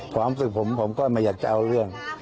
ความฝึกผมผมก็ไม่อยากจะเอาเรื่อง